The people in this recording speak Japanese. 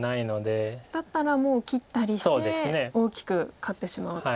だったらもう切ったりして大きく勝ってしまおうと。